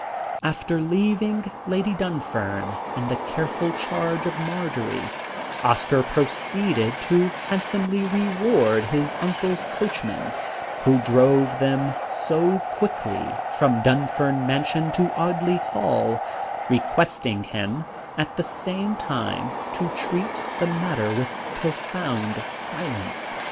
After leaving Lady Dunfern in the careful charge of Marjory, Oscar proceeded to handsomely reward his uncle's coachman, who drove them so quickly from Dunfern Mansion to Audley Hall, requesting him at the same time to treat the matter with profound silence.